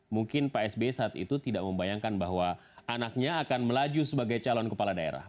mungkin pak sbe saat itu tidak membayangkan bahwa anaknya akan melaju sebagai calon kepala daerah